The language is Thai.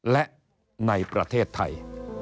และในประเทศไทย